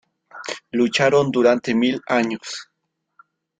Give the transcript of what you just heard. Lucharon durante mil años.